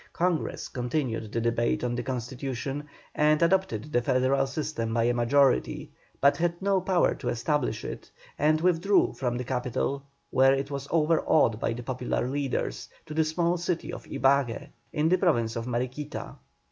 Congress continued the debate on the Constitution, and adopted the federal system by a majority, but had no power to establish it, and withdrew from the capital, where it was overawed by the popular leaders, to the small town of Ibague, in the Province of Mariquita.